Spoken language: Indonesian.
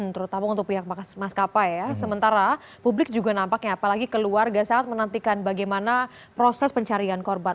terutama untuk pihak maskapai ya sementara publik juga nampaknya apalagi keluarga sangat menantikan bagaimana proses pencarian korban